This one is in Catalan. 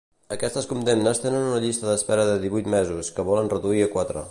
Aquestes condemnes tenen una llista d'espera de divuit mesos, que volen reduir a quatre.